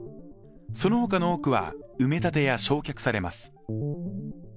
その他の多くは埋め立てや焼却されます。